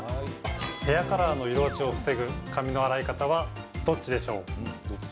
ヘアカラーの色落ちを防ぐ髪の洗い方はどっちでしょう？